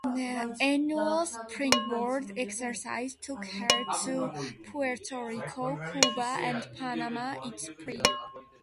Annual "Springboard" exercises took her to Puerto Rico, Cuba, and Panama each spring.